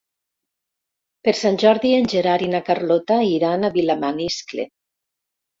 Per Sant Jordi en Gerard i na Carlota iran a Vilamaniscle.